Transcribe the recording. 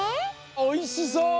おいしそう！